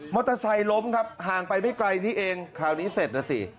เตอร์ไซค์ล้มครับห่างไปไม่ไกลนี้เองคราวนี้เสร็จนะสิ